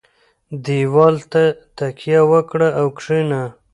دېوال ته تکیه وکړه او کښېنه.